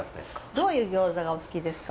どういう餃子がお好きですか？